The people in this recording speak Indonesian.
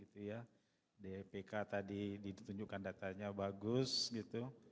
di ipk tadi ditunjukkan datanya bagus gitu